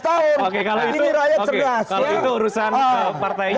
kalau itu urusan partainya